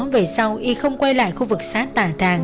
về sau y không quay lại khu vực xã ta thàng